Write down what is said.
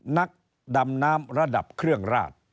นักดำน้ำระดับเครื่องราด